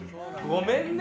ごめんね！